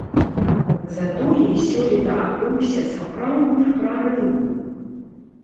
Затое сёлета адбыўся сапраўдны прарыў.